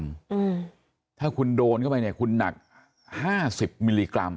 อืมถ้าคุณโดนเข้าไปเนี้ยคุณหนักห้าสิบมิลลิกรัม